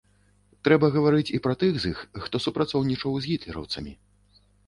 Трэба гаварыць і пра тых з іх, хто супрацоўнічаў з гітлераўцамі.